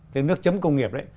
thế nước chấm công nghiệp đấy